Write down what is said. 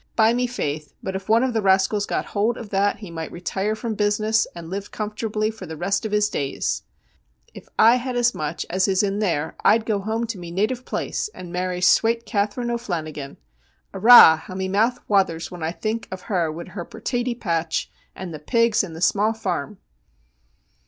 By me faith, but if one of the rascals got hold of that he might retire from business, and live comfortably for the rest of his days. If I had as much as is in there I'd go home to me native place and marry swate Katherine O'Flannigan. Arrah! how me mouth whathers when I think of her wid her pertaty patch, and the pigs and the small farum